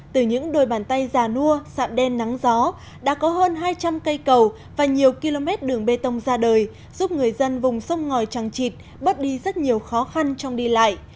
từ những đôi bàn tay già nua sạm đen nắng gió đã có hơn hai trăm linh cây cầu và nhiều km đường bê tông ra đời giúp người dân vùng sông ngòi tràng trịt bớt đi rất nhiều khó khăn trong đi lại